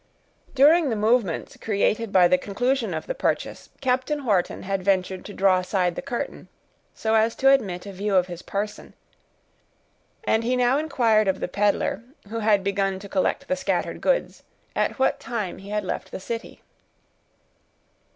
During the movements created by the conclusion of the purchase, Captain Wharton had ventured to draw aside the curtain, so as to admit a view of his person, and he now inquired of the peddler, who had begun to collect the scattered goods, at what time he had left the city.